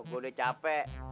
gue udah capek